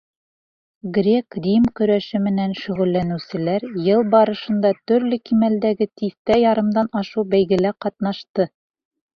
Грек-рим көрәше менән шөғөлләнеүселәр йыл барышында төрлө кимәлдәге тиҫтә ярымдан ашыу бәйгелә ҡатнашты.